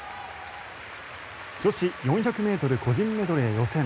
女子４００ｍ個人メドレー予選。